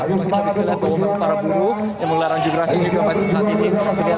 memang kita bisa lihat bahwa para buruh yang mengelarang jubilasi juga masih saat ini